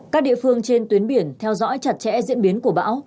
các địa phương trên tuyến biển theo dõi chặt chẽ diễn biến của bão